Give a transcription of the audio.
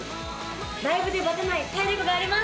ライブでバテない体力があります！